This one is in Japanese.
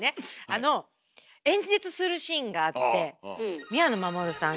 あの演説するシーンがあって宮野真守さん。